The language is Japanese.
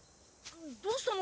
どうしたの？